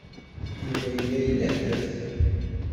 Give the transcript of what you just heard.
Yuba yella ilehhet.